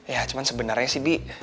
ya cuma sebenarnya sih bi